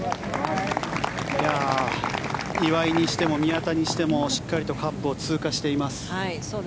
岩井にしても宮田にしてもしっかりとカップを通過しています。